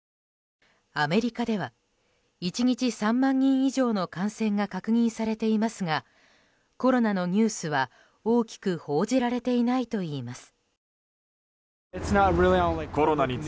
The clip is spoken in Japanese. アメリカでは１日３万人以上の感染が確認されていますがコロナのニュースは、大きく報じられていないといいます。